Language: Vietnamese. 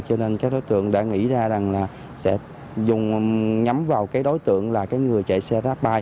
cho nên các đối tượng đã nghĩ ra rằng là sẽ nhắm vào cái đối tượng là cái người chạy xe rác bay